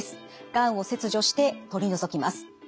がんを切除して取り除きます。